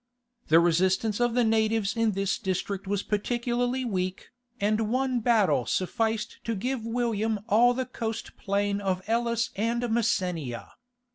The resistance of the natives in this district was particularly weak, and one battle sufficed to give William all the coast plain of Elis and Messenia.